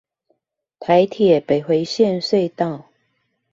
台鐵北迴線隧道